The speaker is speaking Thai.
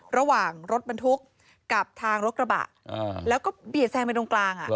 ระหว่างรถบรรทุกกับทางรถกระบะแล้วก็เบียดแซงไปตรงกลาง